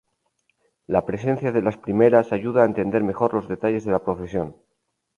La presencia de las primeras ayuda a entender mejor los detalles de la profesión.